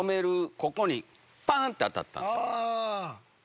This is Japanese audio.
ここにパンって当たったんですよ。